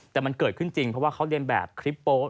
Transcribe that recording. แต่มันเกิดขึ้นจริงเพราะว่าเขาเรียนแบบคลิปโป๊ส